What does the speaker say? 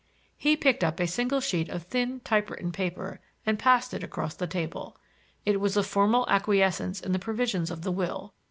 He picked up a single sheet of thin type written paper and passed it across the table. It was a formal acquiescence in the provisions of the will.